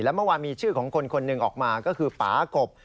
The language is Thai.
เมื่อวานมีชื่อของคนคนหนึ่งออกมาก็คือป่ากบ